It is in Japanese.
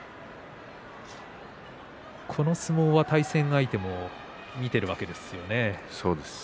この相撲は対戦相手も見ているわけですよね。